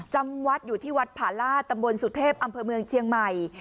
จำวัดอยู่ที่วัดผาลาตำบลสุเทพอำเภอเมืองเชียงใหม่